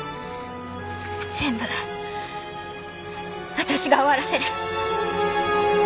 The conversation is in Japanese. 全部私が終わらせる。